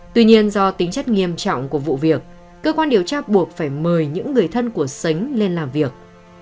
tuy nhiên do tính chất nghiêm trọng của vụ việc cơ quan điều tra buộc phải mời những người thân của sánh lên làm việc